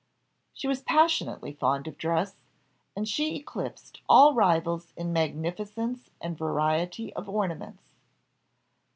She was passionately fond of dress, and she eclipsed all rivals in magnificence and variety of ornaments.